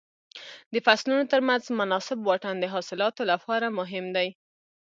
د فصلونو تر منځ مناسب واټن د حاصلاتو لپاره مهم دی.